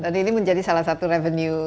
dan ini menjadi salah satu revenue